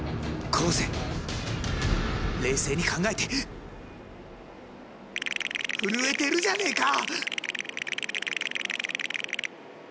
昴生冷静に考えて震えてるじゃねか。